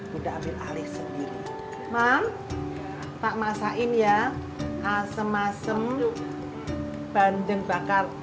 hai udah ambil alih sendiri mam tak masain ya asem asem bandeng bakar